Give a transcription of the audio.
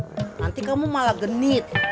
nanti kamu malah genit